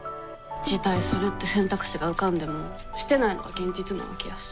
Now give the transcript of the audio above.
辞退するって選択肢が浮かんでもしてないのが現実なわけやし。